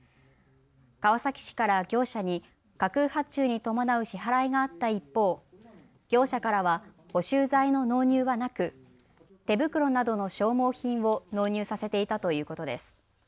川崎市から業者に架空発注に伴う支払いがあった一方、業者からは補修材の納入はなく手袋などの消耗品を納入させていたということです。